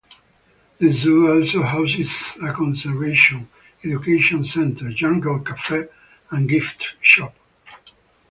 The zoo also houses a conservation, education center, Jungle Cafe and gift shop.